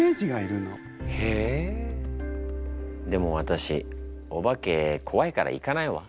でもわたしお化けこわいから行かないわ。